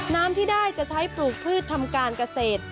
น้ำที่ได้จะใช้ปลูกพืชทำการเกษตร